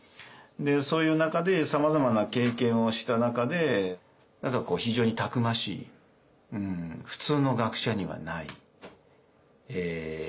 そういう中でさまざまな経験をした中で何かこう非常にたくましい普通の学者にはないえ